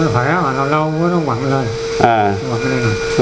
khỏe mà lâu lâu nó quặn lên